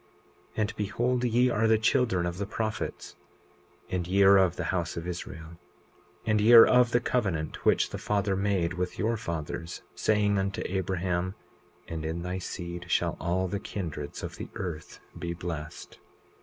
20:25 And behold, ye are the children of the prophets; and ye are of the house of Israel; and ye are of the covenant which the Father made with your fathers, saying unto Abraham: And in thy seed shall all the kindreds of the earth be blessed.